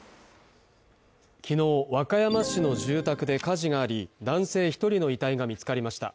昨日、和歌山市の住宅で火事があり男性１人の遺体が見つかりました。